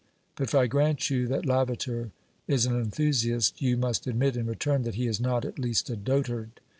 But if I grant you that Lavater is an enthusiast, you must admit in return that he is not at least a dotard.